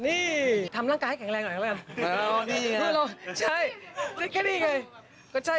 นี่ทำร่างกายให้แข็งแรงค่ะ